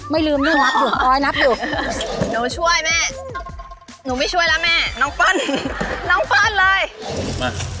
ไม่ลืมนี่อ๋อนับอยู่หนูช่วยแม่หนูไม่ช่วยแล้วแม่น้องปั้นเลย